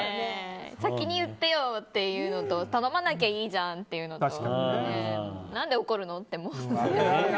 先に言ってよっていうのと頼まなきゃいいじゃんっていうのと何で怒るのって。